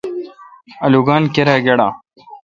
آلوگان کیرا گیڈا۔